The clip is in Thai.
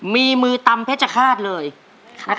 มีเครื่องมาใช่ไหม